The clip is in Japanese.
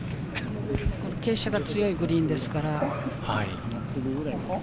傾斜が強いグリーンですから。